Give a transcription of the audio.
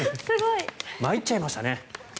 参っちゃいましたね。